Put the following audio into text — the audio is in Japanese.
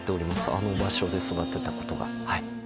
あの場所で育てたことが。